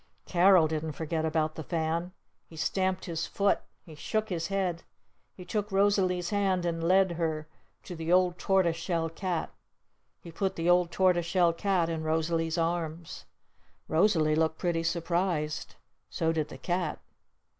Carol didn't forget about the fan. He stamped his foot. He shook his head. He took Rosalee's hand and led her to the old Tortoise Shell Cat. He put the old Tortoise Shell cat in Rosalee's arms. Rosalee looked pretty surprised. So did the cat.